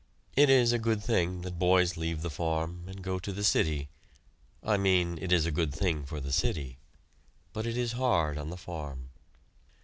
It is a good thing that boys leave the farm and go to the city I mean it is a good thing for the city but it is hard on the farm.